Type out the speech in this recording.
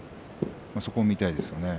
そこを見たいですね。